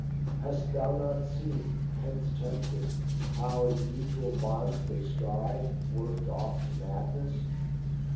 Hast thou not seen, Hence tempted, how in mutual bonds they strive Worked oft to madness